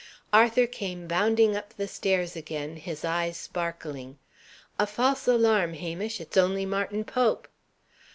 Arthur came bounding up the stairs again, his eyes sparkling. "A false alarm, Hamish! It's only Martin Pope."